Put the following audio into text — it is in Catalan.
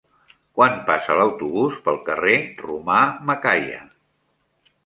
Quan passa l'autobús pel carrer Romà Macaya?